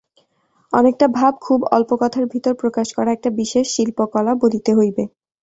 অনেকটা ভাব খুব অল্প কথার ভিতর প্রকাশ করা একটা বিশেষ শিল্পকলা বলিতে হইবে।